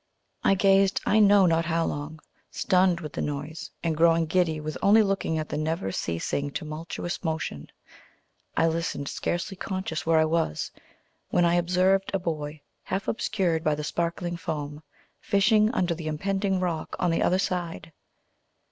I gazed I know not how long, stunned with the noise, and growing giddy with only looking at the never ceasing tumultuous motion, I listened, scarcely conscious where I was, when I observed a boy, half obscured by the sparkling foam, fishing under the impending rock on the other side.